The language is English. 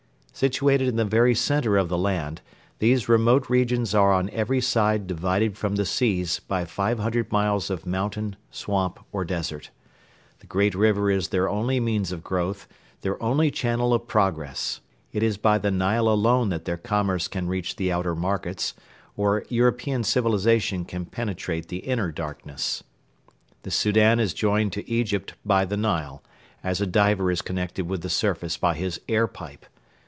Situated in the very centre of the land, these remote regions are on every side divided from the seas by five hundred miles of mountain, swamp, or desert. The great river is their only means of growth, their only channel of progress. It is by the Nile alone that their commerce can reach the outer markets, or European civilisation can penetrate the inner darkness. The Soudan is joined to Egypt by the Nile, as a diver is connected with the surface by his air pipe.